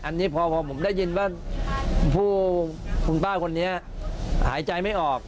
อันนี้พอผมได้ยินว่าคุณป้าคนนี้หายใจไม่ออก